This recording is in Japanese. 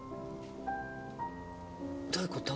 どういう事？